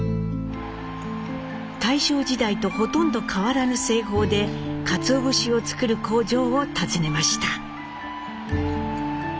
大正時代とほとんど変わらぬ製法でかつお節を作る工場を訪ねました。